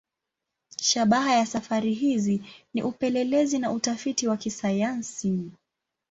Shabaha ya safari hizi ni upelelezi na utafiti wa kisayansi.